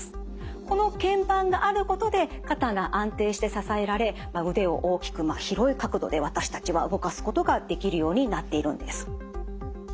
このけん板があることで肩が安定して支えられ腕を大きく広い角度で私たちは動かすことができるようになっているんです。